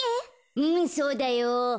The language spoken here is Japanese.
うんそうだよ。